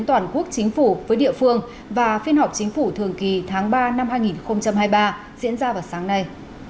toàn quốc chính phủ với địa phương và phiên họp chính phủ thường kỳ tháng ba năm hai nghìn hai mươi ba diễn ra vào sáng nay